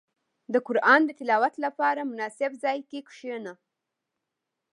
• د قران د تلاوت لپاره، مناسب ځای کې کښېنه.